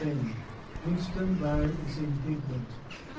WINSTON BEY IS INDIGNANT.